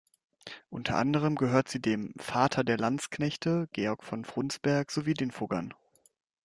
Unter anderem gehörte sie dem "Vater der Landsknechte" Georg von Frundsberg sowie den Fuggern.